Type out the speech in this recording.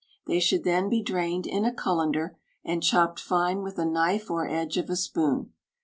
They should then be drained in a cullender, and chopped fine with a knife or edge of a spoon.